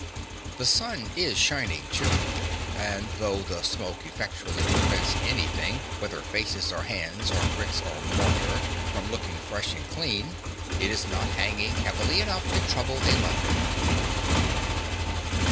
The sun is shining cheerfully; there is no fog; and though the smoke effectually prevents anything, whether faces and hands or bricks and mortar, from looking fresh and clean, it is not hanging heavily enough to trouble a Londoner.